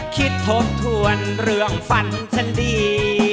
ทบทวนเรื่องฝันฉันดี